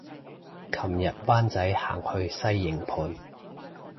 琴日灣仔行去西營盤